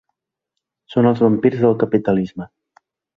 Són els vampirs del capitalisme.